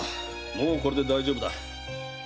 もうこれで大丈夫だ。